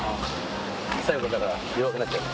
最後だから弱くなっちゃう。